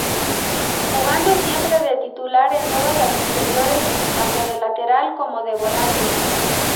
Jugando siempre de titular en todas las inferiores, tanto de lateral como de volante.